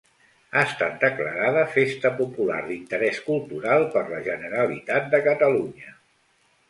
Ha estat declarada Festa Popular d'Interès Cultural per la Generalitat de Catalunya.